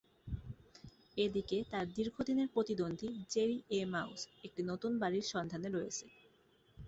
এদিকে, তার দীর্ঘদিনের প্রতিদ্বন্দ্বী জেরি এ মাউস একটি নতুন বাড়ির সন্ধানে রয়েছে।